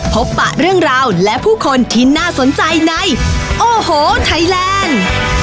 ปะเรื่องราวและผู้คนที่น่าสนใจในโอ้โหไทยแลนด์